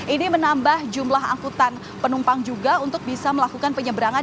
ini menambah jumlah angkutan penumpang juga untuk bisa melakukan penyeberangan